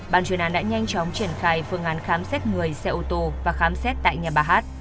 ban chuyên án đã nhanh chóng triển khai phương án khám xét người xe ô tô và khám xét tại nhà bà hát